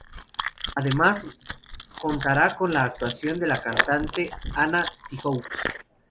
Además, contará con la actuación de la cantante Ana Tijoux.